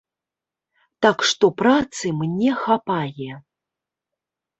Так што працы мне хапае.